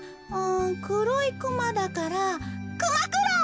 くろいクマだからくまくろう！